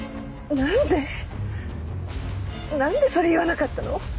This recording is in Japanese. なんでそれ言わなかったの？